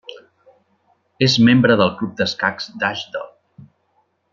És membre del club d'escacs d'Ashdod.